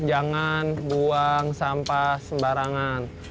jangan buang sampah sembarangan